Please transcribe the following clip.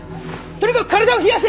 とにかく体を冷やせ！